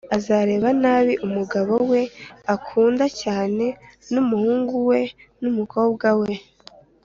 azareba nabi umugabo we akunda cyane n’umuhungu we n’umukobwa we,